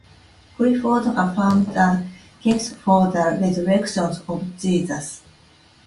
Clifford affirms the case for the resurrection of Jesus.